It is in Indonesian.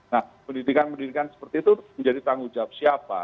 nah pendidikan pendidikan seperti itu menjadi tanggung jawab siapa